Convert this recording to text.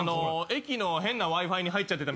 駅の変なＷｉ−Ｆｉに入っちゃってたみたい。